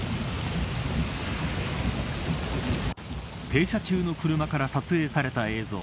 停車中の車から撮影された映像。